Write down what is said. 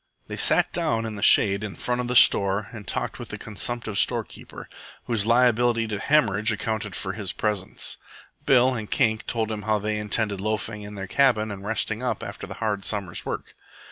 They sat down in the shade in front of the store and talked with the consumptive storekeeper, whose liability to hemorrhage accounted for his presence. Bill and Kink told him how they intended loafing in their cabin and resting up after the hard summer's work.